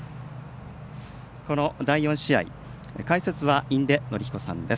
第４試合解説は印出順彦さんです。